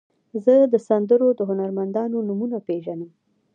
زه د سندرو د هنرمندانو نومونه پیژنم.